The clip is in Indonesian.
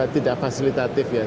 tidak fasilitatif ya